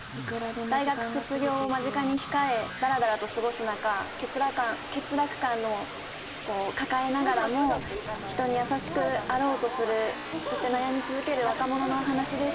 大学卒業を間近に控え、だらだらと過ごす中、欠落感を抱えながらも、人に優しくあろうとする、そして悩み続ける若者の話です。